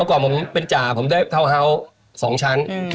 ก่อนผมเป็นจ่าผมได้ทาวน์ฮาส์๒ชั้น